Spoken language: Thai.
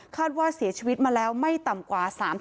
ว่าเสียชีวิตมาแล้วไม่ต่ำกว่า๓๐